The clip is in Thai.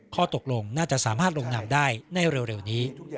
ข้อตกลงน่าจะสามารถลงนามได้ในเร็วนี้